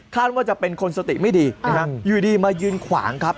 ว่าจะเป็นคนสติไม่ดีนะฮะอยู่ดีมายืนขวางครับ